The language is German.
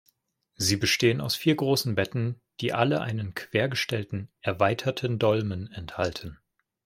Sie bestehen aus vier großen Betten, die alle einen quer gestellten „erweiterten Dolmen“ enthalten.